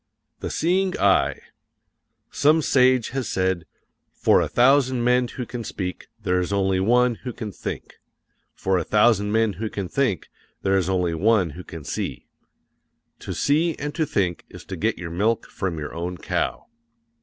The Seeing Eye Some sage has said: "For a thousand men who can speak, there is only one who can think; for a thousand men who can think, there is only one who can see." To see and to think is to get your milk from your own cow.